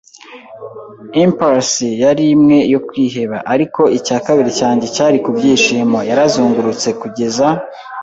impulse yari imwe yo kwiheba, ariko icya kabiri cyanjye cyari ku byishimo. Yarazungurutse, kugeza